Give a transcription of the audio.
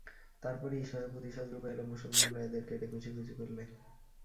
তারপরই ঈশ্বরের প্রতিশোধরূপে এল মুসলমানরা, এদের কেটে কুচি-কুচি করলে।